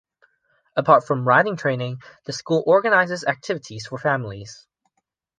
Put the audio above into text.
Apart from riding training, the school organises activities for families.